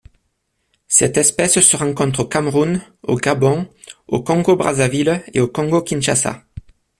Cette espèce se rencontre au Cameroun, au Gabon, au Congo-Brazzaville et au Congo-Kinshasa.